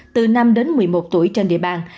từ năm đến một mươi một tuổi trên địa bàn